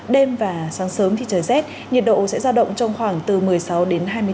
đêm và sáng sớm thì trời rét nhiệt độ sẽ ra động trong khoảng từ một mươi sáu đến hai mươi bốn